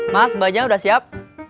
mas mbak jenny udah siap